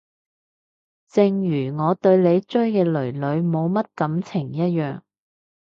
正如我對你追嘅囡囡冇乜感情一樣